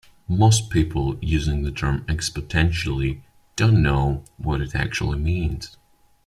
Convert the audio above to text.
Most people using the term "exponentially" don't know what it actually means.